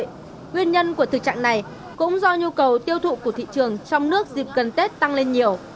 nguyên nhân của thực trạng này cũng do nhu cầu tiêu thụ của thị trường trong nước dịp gần tết tăng lên nhiều